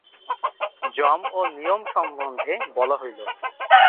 যম ও নিয়ম সম্বন্ধে বলা হইল।